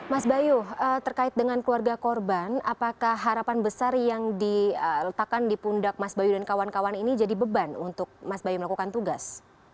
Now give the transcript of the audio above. mas bayu terkait dengan keluarga korban apakah harapan besar yang diletakkan di pundak mas bayu dan kawan kawan ini jadi beban untuk mas bayu melakukan tugas